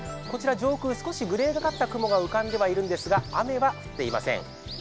こちら上空少しグレーがかった雲が浮かんではいるんですが雨は降っていません。